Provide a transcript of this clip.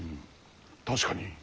確かに。